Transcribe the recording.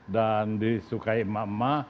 dan disukai mama